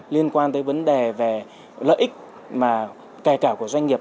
liên quan tới vấn đề về lợi ích cài cảo của doanh nghiệp